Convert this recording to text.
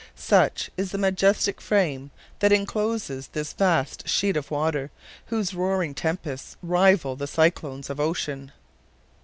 Such is the majestic frame that incloses this vast sheet of water whose roaring tempests rival the cyclones of Ocean.